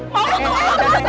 kamu tau apa maksudnya